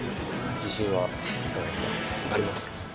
自信はいかがですか？